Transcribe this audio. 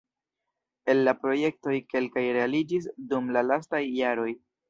El la projektoj kelkaj realiĝis dum la lastaj jaroj.